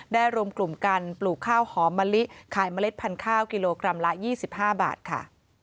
รวมกลุ่มกันปลูกข้าวหอมมะลิขายเมล็ดพันธุ์ข้าวกิโลกรัมละ๒๕บาทค่ะ